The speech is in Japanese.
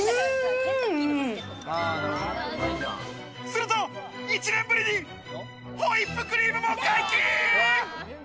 すると、１年ぶりにホイップクリームも解禁！